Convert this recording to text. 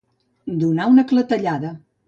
Donar una clatellada.